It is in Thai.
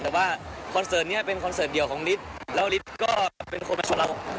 แต่ว่าคอนเสิร์ตนี้เป็นคอนเสิร์ตเดียวของฤทธิ์แล้วฤทธิ์ก็เป็นคนมาชนเรา